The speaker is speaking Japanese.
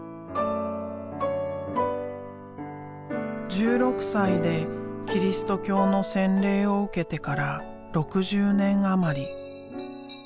１６歳でキリスト教の洗礼を受けてから６０年余り。